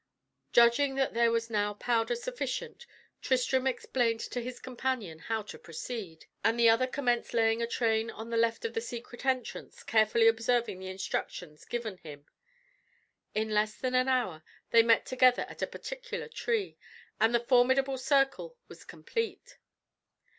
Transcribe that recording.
Judging that there was now powder sufficient, Tristram explained to his companion how to proceed; and the other commenced laying a train on the left of the secret entrance, carefully observing the instructions given him. In less than an hour, they met together at a particular tree, and the formidable circle was complete.